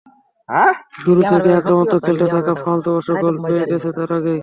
শুরু থেকেই আক্রমণাত্মক খেলতে থাকা ফ্রান্স অবশ্য গোল পেয়ে গেছে তার আগেই।